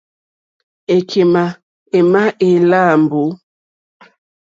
Èkémà émá èláǃá mbǒ.